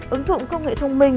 ứng dụng công nghệ thông minh